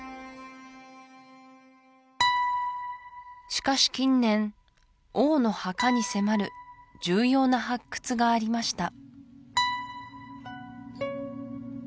しかし近年王の墓に迫る重要な発掘がありました